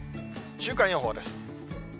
週間予報です。